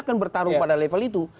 kan bertarung pada level itu